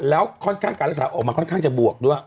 แล้วค่อนข้างการรักษาออกมาค่อนข้างจะบวกด้วย